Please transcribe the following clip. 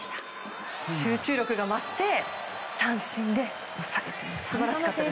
集中力が増して、三振で抑える。